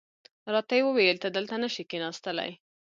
راته یې وویل ته دلته نه شې کېناستلای.